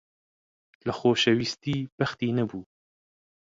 لە خۆشەویستی بەختی نەبوو.